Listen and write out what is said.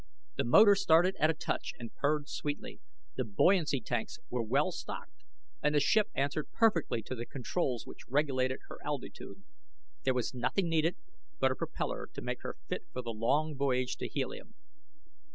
The motor started at a touch and purred sweetly, the buoyancy tanks were well stocked, and the ship answered perfectly to the controls which regulated her altitude. There was nothing needed but a propellor to make her fit for the long voyage to Helium.